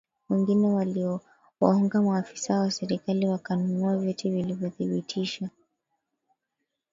Wengine waliwahonga maafisa wa serikali wakanunua vyeti vilivyothibitisha